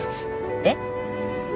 えっ？